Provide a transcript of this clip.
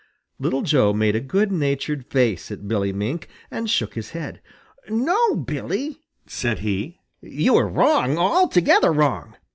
Little Joe made a good natured face at Billy Mink and shook his head. "No, Billy," said he, "you are wrong, altogether wrong.